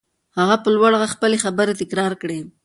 هغه په لوړ غږ خپلې خبرې تکرار کړې.